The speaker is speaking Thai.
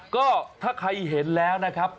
ก็ถ้าใครเห็นแล้วนะครับ